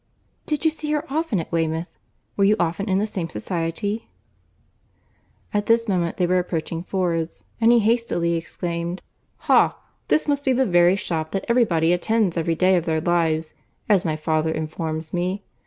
"Did you see her often at Weymouth? Were you often in the same society?" At this moment they were approaching Ford's, and he hastily exclaimed, "Ha! this must be the very shop that every body attends every day of their lives, as my father informs me.